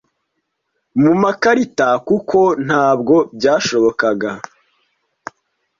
Mu makarita, kuko ntabwo byashobokaga